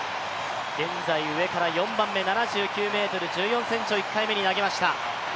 現在、上から４番目７９ｍ１４ｃｍを投げました。